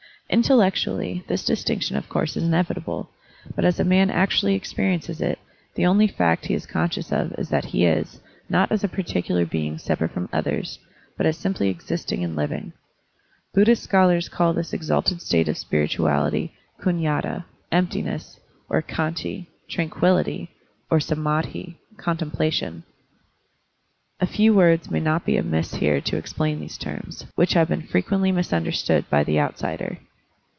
Intellectually, this distinction of course is inevitable, but as a man actually experiences it, the only fact he is conscious of is that he is, not as a particular being separate from others, but as simply existing and living. Buddhist scholars call this exalted state of spirituality g'Unyatd = emptiness, or fdn/i = tranquillity, or 5am<^fei = contemplation. A few words may not be amiss here to explain these terms, which have been frequently misun derstood by the outsider.